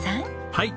はい。